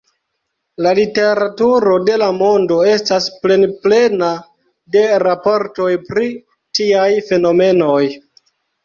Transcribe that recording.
La literaturo de la mondo estas plenplena de raportoj pri tiaj fenomenoj.